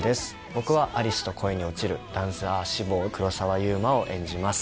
僕は有栖と恋に落ちるダンサー志望黒澤祐馬を演じます